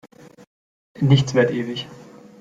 Nichts währt ewig.